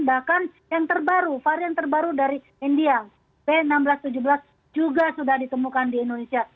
bahkan yang terbaru varian terbaru dari india b seribu enam ratus tujuh belas juga sudah ditemukan di indonesia